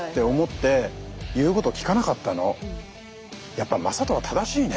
やっぱ魔裟斗は正しいね。